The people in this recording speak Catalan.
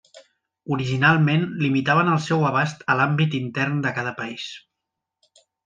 Originalment limitaven el seu abast a l'àmbit intern de cada país.